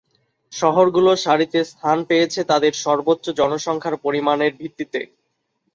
শহরগুলো সারিতে স্থান পেয়েছে তাদের সর্বোচ্চ জনসংখ্যার পরিমানের ভিত্তিতে।